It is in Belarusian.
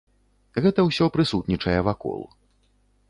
Гэта ўсё прысутнічае вакол.